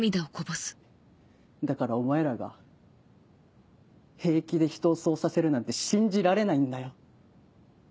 だからお前らが平気で人をそうさせるなんて信じられないんだよ。